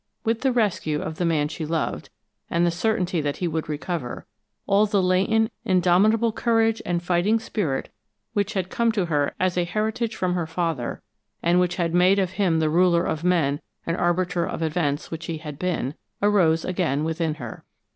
With the rescue of the man she loved, and the certainty that he would recover, all the latent, indomitable courage and fighting spirit which had come to her as an heritage from her father, and which had made of him the ruler of men and arbiter of events which he had been, arose again within her.